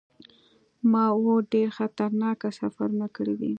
ما اووه ډیر خطرناک سفرونه کړي دي.